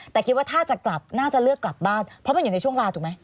แต่คิดว่าถ้าจะกลับน่าจะเลือกกลับบ้านเพราะมันอยู่ในช่วงลาถูกไหม